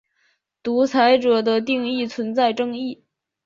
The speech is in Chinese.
独裁者的定义存在争议。